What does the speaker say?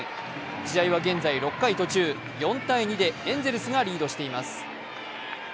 試合は現在６回途中４−２でエンゼルスがリードしています。